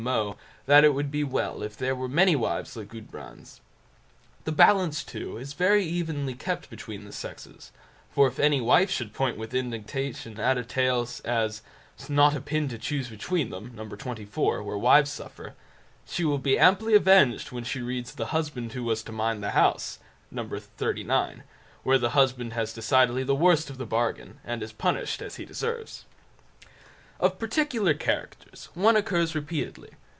Moe that it would be well if there were many wives like Gudbrand's. The balance too, is very evenly kept between the sexes; for if any wife should point with indignation at such a tale as "Not a Pin to choose between them", No. xxiv, where wives suffer; she will be amply avenged when she reads "The Husband who was to mind the House", No. xxxix, where the husband has decidedly the worst of the bargain, and is punished as he deserves. Of particular characters, one occurs repeatedly.